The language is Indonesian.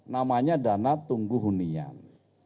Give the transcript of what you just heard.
namanya dana tunggu hunian